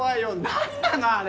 何なのあれ！？